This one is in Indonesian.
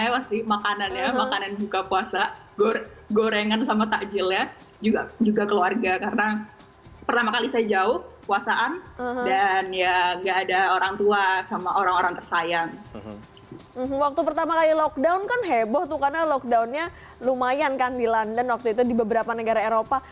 waktu pertama kali lockdown kan heboh tuh karena lockdownnya lumayan kan di london waktu itu di beberapa negara eropa